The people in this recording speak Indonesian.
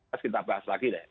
terus kita bahas lagi deh